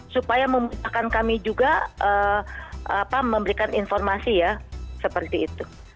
supaya memudahkan kami juga memberikan informasi ya seperti itu